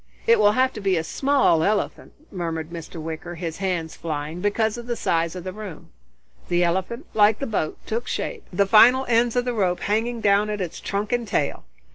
"It will have to be a small elephant," murmured Mr. Wicker, his hands flying, "because of the size of the room." The elephant, like the boat, took shape, the final ends of the rope hanging down at its trunk and tail.